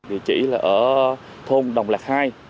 địa chỉ là ở thôn đồng lạc hai